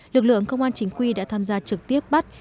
lực lượng công an chính quy đã tham gia trực tiếp bắt